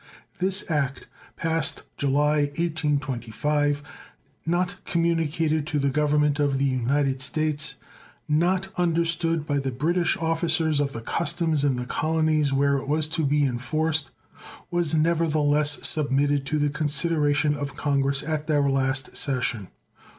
This act, passed July, 1825, not communicated to the Government of the United States, not understood by the British officers of the customs in the colonies where it was to be enforced, was never the less submitted to the consideration of Congress at their last session.